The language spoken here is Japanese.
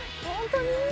ほんとに？